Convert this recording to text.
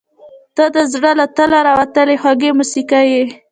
• ته د زړه له تله راوتلې خوږه موسیقي یې.